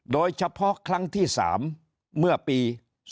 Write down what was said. โดยเฉพาะครั้งที่๓เมื่อปี๒๕๖